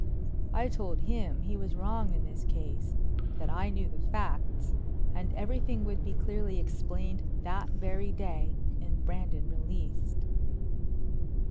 I told him he was wrong in this case; that I knew the facts, and everything would be clearly explained that very day and Brandon released.